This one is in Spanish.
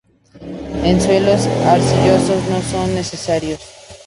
En suelos arcillosos no son necesarios.